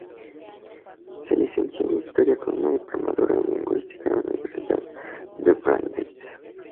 Se licenció en historia con una diplomatura en lingüística en la universidad de Brandeis.